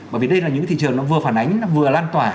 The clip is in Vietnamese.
bởi vì đây là những thị trường nó vừa phản ánh vừa lan tỏa